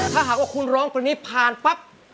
ถ้าหากว่าคุณร้องคนนี้ผ่านปั๊บ